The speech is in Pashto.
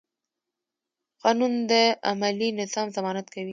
قانون د عملي نظم ضمانت کوي.